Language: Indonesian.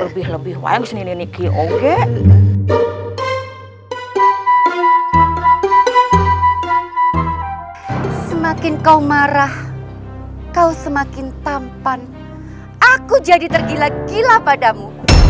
semakin kau marah kau semakin tampan aku jadi tergila gila padamu